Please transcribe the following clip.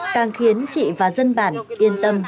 càng khiến chị và dân bản yên tâm